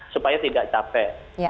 supaya tidak capek